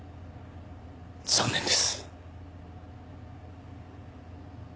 残念です。